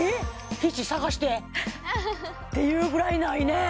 皮脂探してていうぐらいないね